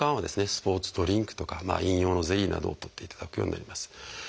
スポーツドリンクとか飲用のゼリーなどをとっていただくようになります。